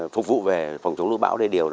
phục vụ về phòng chống lũ bão đây đều